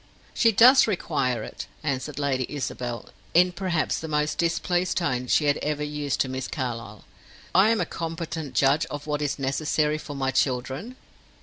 "She does require it," answered Lady Isabel, in perhaps the most displeased tone she had ever used to Miss Carlyle. "I am a competent judge of what is necessary for my children."